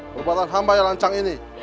perbuatan hamba yang lancang ini